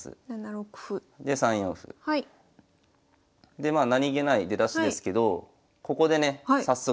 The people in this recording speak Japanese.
でまあ何気ない出だしですけどここでね早速。